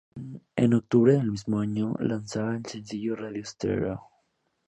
En octubre del mismo año lanzan el sencillo "Radio Stereo".